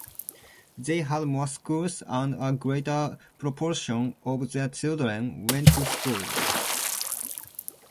They had more schools and a greater proportion of their children went to school.